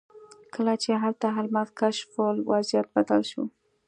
کله چې هلته الماس کشف شول وضعیت بدل شو.